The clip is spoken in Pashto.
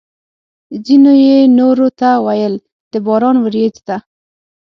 ځینو یې نورو ته ویل: د باران ورېځ ده!